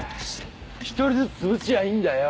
一人ずつつぶしゃいいんだよ。